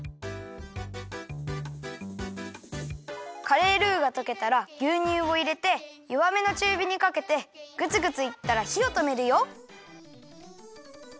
カレールーがとけたらぎゅうにゅうをいれてよわめのちゅうびにかけてグツグツいったらひをとめるよ。